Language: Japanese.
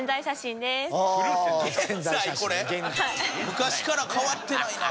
昔から変わってないな。